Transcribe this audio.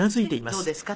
「どうですか？